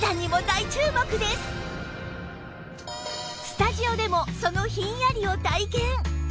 スタジオでもそのひんやりを体験！